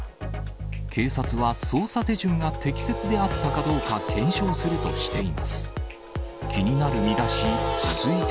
警察は、捜査手順が適切であったかどうか検証するとしています。